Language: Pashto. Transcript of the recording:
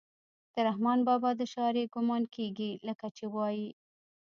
د رحمان بابا د شاعرۍ ګمان کيږي لکه چې وائي: